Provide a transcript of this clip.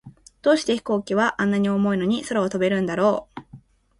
どうして飛行機は、あんなに重いのに空を飛べるんだろう。